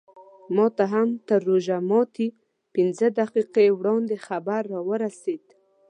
ماته هم تر روژه ماتي پینځه دقیقې وړاندې خبر راورسېد.